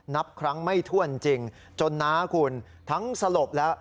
นับครั้งไม่ถ้วนจริงจนน้าคุณทั้งสลบแล้ว